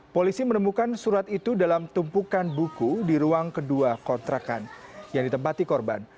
polisi menemukan surat itu dalam tumpukan buku di ruang kedua kontrakan yang ditempati korban